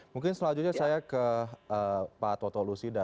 mungkin selanjutnya saya ke pak toto lusida